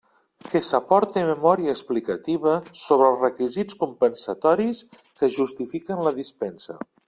Que s'aporte memòria explicativa sobre els requisits compensatoris que justifiquen la dispensa.